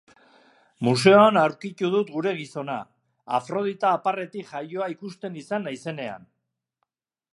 Museoan aurkitu dut gure gizona Afrodita aparretik jaioa ikusten izan naizenean.